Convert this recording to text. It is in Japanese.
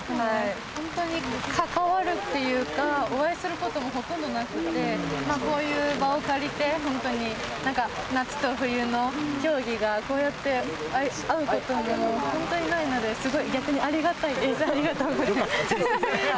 本当に関わるというか、お会いすることもほとんどなくて、こういう場を借りて、本当に夏と冬の競技が、こうやって会うことも本当にないので、すごく、逆にありがたいです。